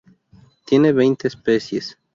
Tiene veinte especies.